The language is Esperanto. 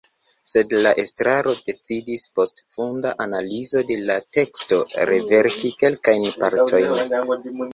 Sed la estraro decidis, post funda analizo de la teksto, reverki kelkajn partojn.